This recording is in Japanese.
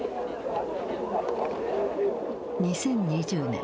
２０２０年。